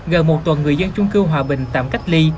gần một tuần người dân chung cư hòa bình tạm cách ly